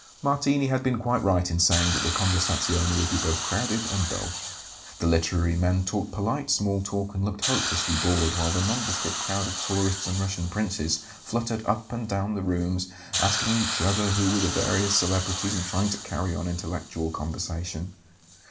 Martini had been quite right in saying that the conversazione would be both crowded and dull. The literary men talked polite small talk and looked hopelessly bored, while the "nondescript crowd of tourists and Russian princes" fluttered up and down the rooms, asking each other who were the various celebrities and trying to carry on intellectual conversation.